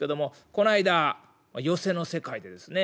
この間寄席の世界でですね